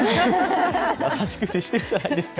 優しく接してるじゃないですか。